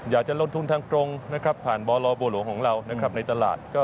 อยากจะลงทุนทางกรงผ่านบรบลวงของเราในตลาด